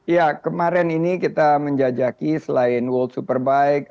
ya kemarin ini kita menjajaki selain world superbike